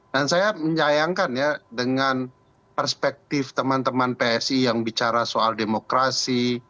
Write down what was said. dan saya menyayangkan ya dengan perspektif teman teman psi yang bicara soal demokrasi